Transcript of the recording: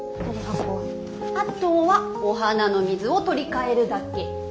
あとはお花の水を取り替えるだけ。